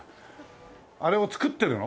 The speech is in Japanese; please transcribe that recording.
あれを作ってるの？